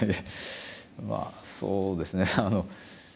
まあそうですね。